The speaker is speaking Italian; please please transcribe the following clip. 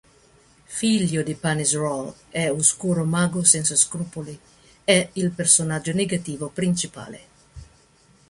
Figlio di Panis Rahl e oscuro mago senza scrupoli, è il personaggio negativo principale.